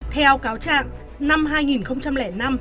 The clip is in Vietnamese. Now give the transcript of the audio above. theo cáo trạng năm hai nghìn năm